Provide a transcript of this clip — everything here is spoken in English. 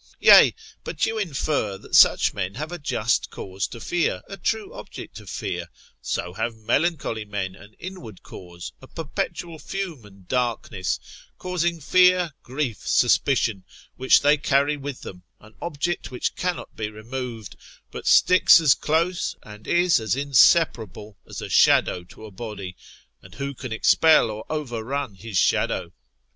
Yea, but you infer, that such men have a just cause to fear, a true object of fear; so have melancholy men an inward cause, a perpetual fume and darkness, causing fear, grief, suspicion, which they carry with them, an object which cannot be removed; but sticks as close, and is as inseparable as a shadow to a body, and who can expel or overrun his shadow?